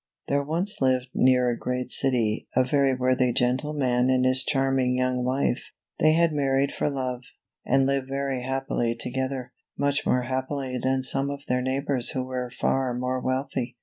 HERE once lived near a great city a very worthy gentleman and his charming young wife. They had married for love, and lived very happily together; much more happily than some of their neighbors who were far more wealthy.